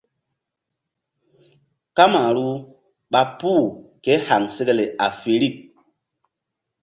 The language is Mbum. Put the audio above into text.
Kamaru ɓa puh ké haŋsekle afirik.